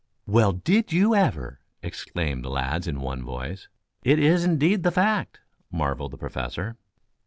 "Well, did you ever!" exclaimed the lads in one voice. "It is, indeed, the fact," marveled the Professor.